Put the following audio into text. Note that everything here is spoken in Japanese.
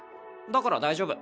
だから大丈夫。